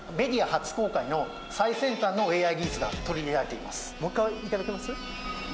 初公開の最先端のＡＩ技術が取り入れられています。